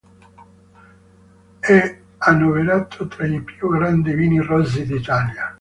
È annoverato tra i più grandi vini rossi d'Italia.